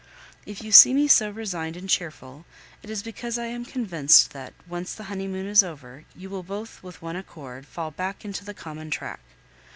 If you see me so resigned and cheerful, it is because I am convinced that, once the honeymoon is over you will both with one accord, fall back into the common track.